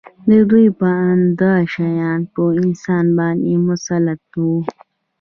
د دوی په اند دا شیان په انسان باندې مسلط وو